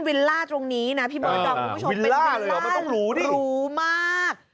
วิลล่าตรงนี้นะวิลล่าหรอไม่ต้องรู้ดิรู้มาก